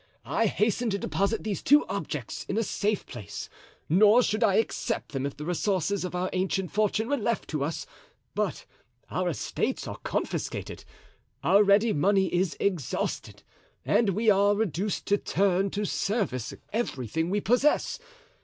I hasten to deposit these two objects in a safe place, nor should I accept them if the resources of our ancient fortune were left to us, but our estates are confiscated, our ready money is exhausted, and we are reduced to turn to service everything we possess.